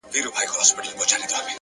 هوډ د نیمګړو امکاناتو ملګری دی!.